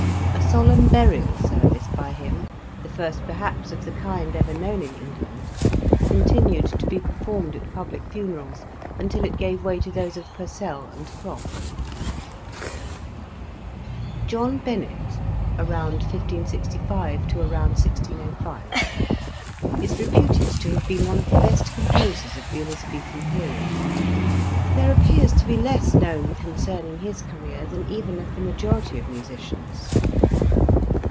A solemn burial service by him, the first perhaps of the kind ever known in England, continued to be performed at public funerals until it gave way to those of Purcell and Croft. John Bennet, I56s? i6o5?, is reputed to have been one of the best composers of the Elizabethan period. There appears to be less known concerning his career than even of the majority of musicians.